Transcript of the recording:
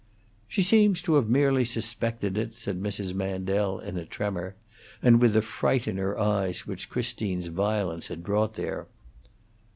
"She seems to have merely suspected it," said Mrs. Mandel, in a tremor, and with the fright in her eyes which Christine's violence had brought there.